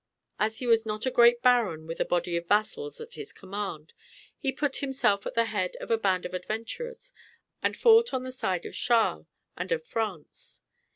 As he was not a great baron with a body of vassals at his command, he put himself at the head of a band of adventurers, and fought on the side of Charles and of France.